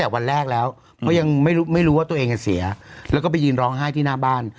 วันแรกแล้วเพราะยังไม่รู้ว่าตัวเองเสียแล้วก็ไปยืนร้องไห้ที่หน้าบ้าน